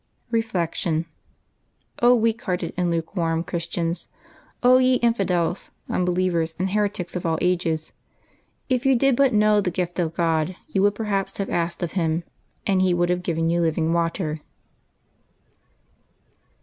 Reflection. — weak hearted and lukewarm Christians! ye infidels, unbelievers, and heretics of all ages !" if you did but know the gift of God, you would perhaps have asked of Him, and He would have given you living water